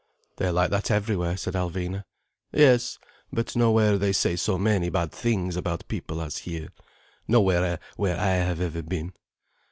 "They are like that everywhere," said Alvina. "Yes. But nowhere they say so many bad things about people as here—nowhere where I have ever been."